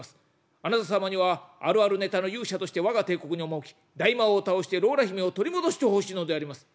あなた様にはあるあるネタの勇者として我が帝国に赴き大魔王を倒してローラ姫を取り戻してほしいのであります」。